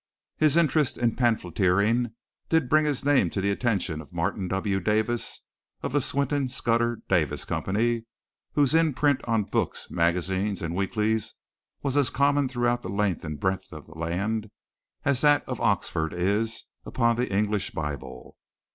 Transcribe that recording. His interest in pamphleteering did bring his name to the attention of Martin W. Davis of the Swinton Scudder Davis Company, whose imprint on books, magazines and weeklies was as common throughout the length and breadth of the land as that of Oxford is upon the English bible.